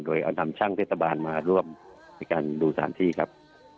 โดยอดำชั่งเทศบาลมาร่วมไปการดูสารที่ครับ